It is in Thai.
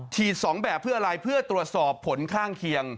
๒แบบเพื่ออะไรเพื่อตรวจสอบผลข้างเคียง